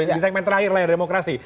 di segmen terakhir lah yang demokrasi